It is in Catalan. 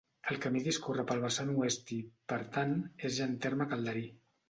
El camí discorre pel vessant oest i, per tant, és ja en terme calderí.